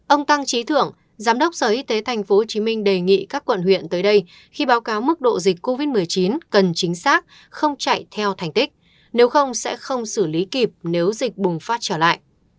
ông tăng trí thưởng giám đốc sở y tế tp hcm đề nghị các quận huyện tới đây khi báo cáo mức độ dịch covid một mươi chín cần chính xác không chạy theo thành tích nếu không sẽ không xử lý kịp nếu dịch bùng phát trở lại